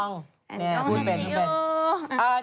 เราอยากสังเกตุกับคุณ